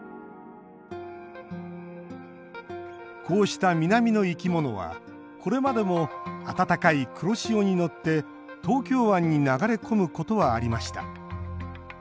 こうした南の生き物はこれまでも暖かい黒潮に乗って東京湾に流れ込むことはありました。